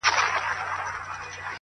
په مادي لحاظ هیڅ دی